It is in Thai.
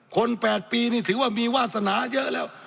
๘ปีนี่ถือว่ามีวาสนาเยอะแล้ว